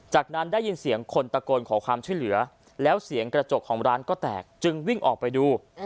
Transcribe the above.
จากนั้นได้ยินเสียงคนตะโกนขอความช่วยเหลือแล้วเสียงกระจกของร้านก็แตกจึงวิ่งออกไปดู